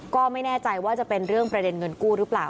ก็ไม่แน่ใจว่าจะเป็นเรื่องประเด็นเงินกู้หรือเปล่า